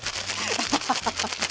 アハハハハ！